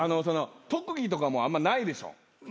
特技とかもあんまないでしょ？